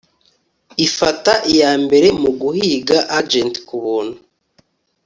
ifata iyambere muguhiga agent kubuntu